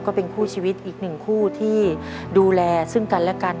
ก็เป็นคู่ชีวิตอีกหนึ่งคู่ที่ดูแลซึ่งกันและกัน